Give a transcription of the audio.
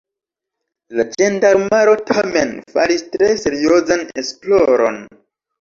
La ĝendarmaro tamen faris tre seriozan esploron.